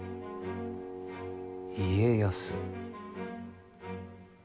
「家康」。